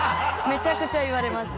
めちゃくちゃ言われます。